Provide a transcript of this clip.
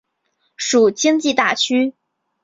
属京畿大区。